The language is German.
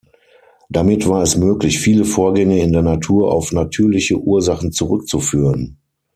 Damit war es möglich, viele Vorgänge in der Natur auf natürliche Ursachen zurückzuführen.